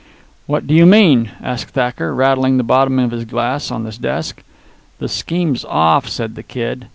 "What do you mean?" asked Thacker, rattling the bottom of his glass on his desk. "The scheme's off," said the Kid.